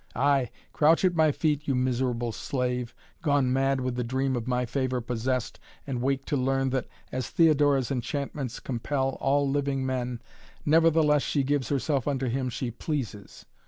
Aye crouch at my feet, you miserable slave, gone mad with the dream of my favor possessed and wake to learn, that, as Theodora's enchantments compel all living men, nevertheless she gives herself unto him she pleases.